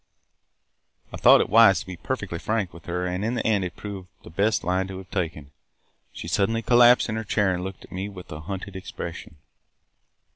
"I thought it wise to be perfectly frank with her and in the end it proved the best line to have taken. She suddenly collapsed in her chair and looked at me with a hunted expression.